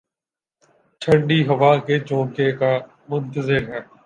ٹھنڈی ہوا کے جھونکوں کا منتظر ہے